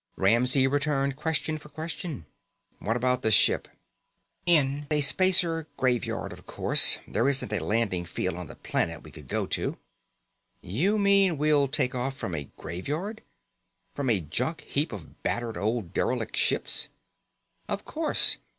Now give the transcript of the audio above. Ramsey returned question for question. "What about the ship?" "In a Spacer Graveyard, of course. There isn't a landing field on the planet we could go to." "You mean we'll take off from a Graveyard? From a junk heap of battered old derelict ships?" "Of course.